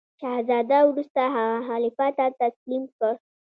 شهزاده وروسته هغه خلیفه ته تسلیم کړ.